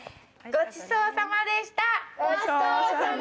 ごちそうさまでした！